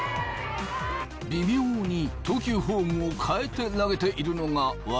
微妙に投球フォームを変えて投げているのがわかりますか？